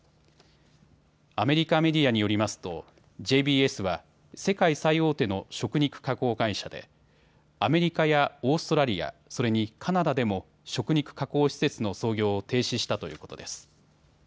アメリカメディアによりますとＪＢＳは世界最大手の食肉加工会社でアメリカやオーストラリア、それにカナダでも食肉加工施設の操業を停止したということです。